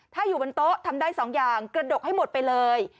ถ้าอยู่บนโต๊ะทำได้๒อย่างกระดกให้หมดไปเลย